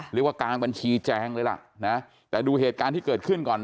เรียกว่าการบัญชีแจงเลยล่ะแต่ดูเหตุการณ์ที่เกิดขึ้นก่อน